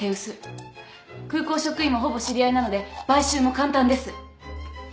空港職員もほぼ知り合いなので買収も簡単です。